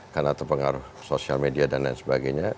karena terpengaruh sosial media dan lain sebagainya